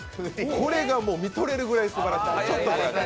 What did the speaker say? これが見とれるぐらいすばらしい。